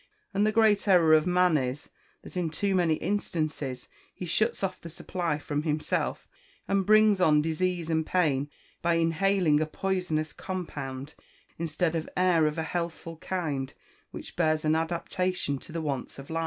And the great error of man is, that in too many instances, he shuts off the supply from himself, and brings on disease and pain by inhaling a poisonous compound, instead of air of a healthful kind, which bears an adaptation to the wants of life.